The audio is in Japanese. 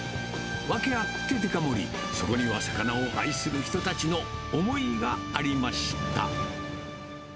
ワケあってでか盛り、そこには魚を愛する人たちの思いがありました。